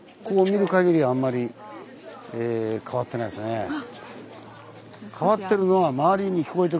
こう見るかぎりあんまり変わってないですねえ。